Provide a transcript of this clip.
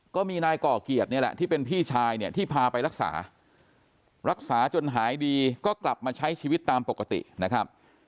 ก็มีนายก่อเกียรตินี่แหละที่เป็นพี่ชายเนี่ยที่พาไปรักษารักษาจนหายดีก็กลับมาใช้ชีวิตตามปกตินะครับ